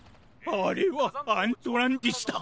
あれはアントランティスだ。